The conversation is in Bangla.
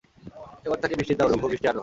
এবার তাকে মিষ্টি দাও, রঘু, মিষ্টি আনো।